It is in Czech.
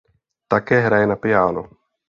Také hraje na piano.